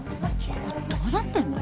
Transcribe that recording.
ここどうなってんの。